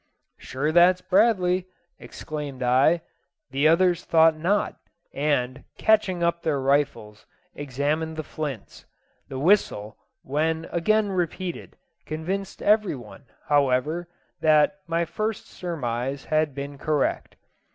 "Sure that's Bradley," exclaimed I; the others thought not, and, catching up their rifles, examined the flints. The whistle, when again repeated, convinced every one, however, that my first surmise had been correct.